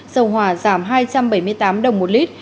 dầu hỏa giảm hai trăm bảy mươi tám đồng một lít